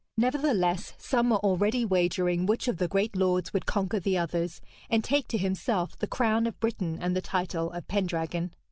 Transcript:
Nevertheless, some were already wagering which of the great lords would conquer the others, and take to himself the crown of Britain and the title of Pendragon.